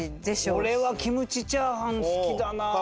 俺はキムチチャーハン好きだな。